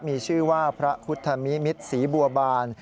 มีชื่อว่าพระพุทธมิตรศรีบัวบาน